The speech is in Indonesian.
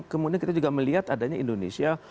kemudian kita juga melihat adanya indonesia